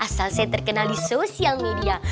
asal saya terkenal di sosial media